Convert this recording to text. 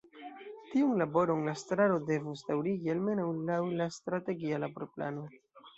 Tiun laboron la estraro devus daŭrigi, almenaŭ laŭ la Strategia Laborplano.